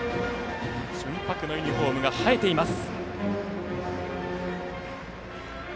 純白のユニフォームが映えています。